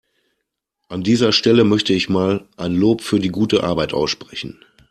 An dieser Stelle möchte ich mal ein Lob für die gute Arbeit aussprechen.